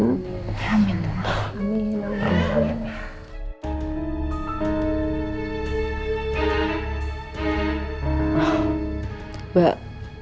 semoga kita diberi keselamatan ya bu